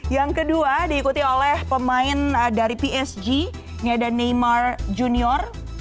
yang kedua diikuti oleh pemain dari psg ini ada neymar junior